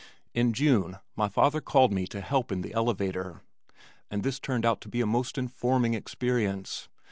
In June my father called me to help in the elevator and this turned out to be a most informing experience.